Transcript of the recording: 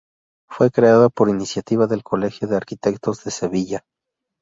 Fue creada por iniciativa del Colegio de Arquitectos de Sevilla.